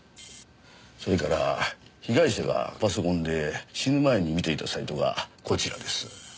それから被害者がパソコンで死ぬ前に見ていたサイトがこちらです。